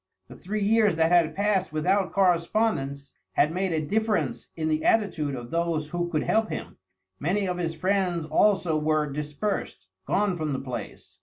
The three years that had passed without correspondence had made a difference in the attitude of those who could help him; many of his friends also were dispersed, gone from the place.